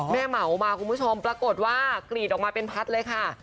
เหมามาคุณผู้ชมปรากฏว่ากรีดออกมาเป็นพัดเลยค่ะ